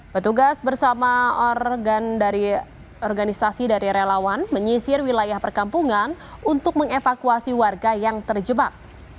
petugas bersama organisasi dari relawan menyisir wilayah perkampungan untuk mengevakuasi warga yang terjebak